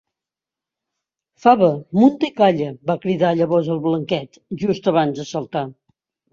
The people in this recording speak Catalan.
Fava, munta i calla! —va cridar llavors el Blanquet, just abans de saltar.